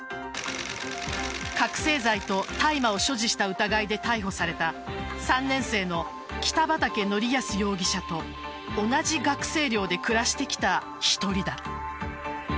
覚せい剤と大麻を所持した疑いで逮捕された３年生の北畠成文容疑者と同じ学生寮で暮らしてきた１人だ。